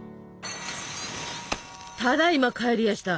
ただいま帰りやした。